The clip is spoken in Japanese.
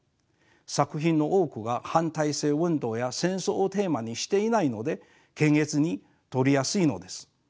作品の多くが反体制運動や戦争をテーマにしていないので検閲に通りやすいのです。